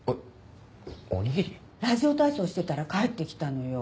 ラジオ体操してたら帰ってきたのよ。